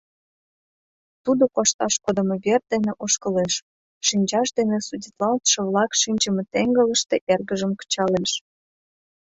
Тудо кошташ кодымо вер дене ошкылеш, шинчаж дене судитлалтше-влак шинчыме теҥгылыште эргыжым кычалеш...